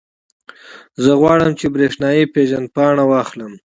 زه غواړم، چې برېښنایي پېژندپاڼه واخلم.